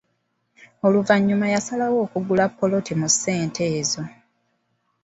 Oluvannyuma yasalawo okugula puloti mu ssente ezo.